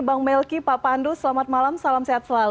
bang melki pak pandu selamat malam salam sehat selalu